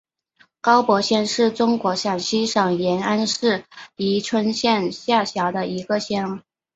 高柏乡是中国陕西省延安市宜川县下辖的一个乡。